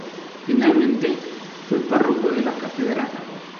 Finalmente, fue párroco de la Catedral.